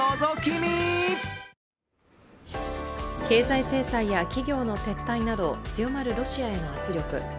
経済制裁や企業の撤退など、強まるロシアへの圧力。